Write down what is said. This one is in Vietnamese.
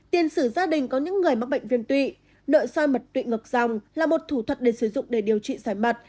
tiền xử gia đình có những người mắc bệnh viên tụy nội xoài mật tụy ngược dòng là một thủ thuật để sử dụng để điều trị xoài mật